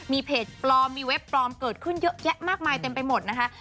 มีเพจปลอมมีเว็บปลอมเกิดขึ้นเยอะแยะมากมายเต็มไปหมดนะคะ